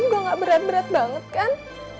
nggak berat berat banget kan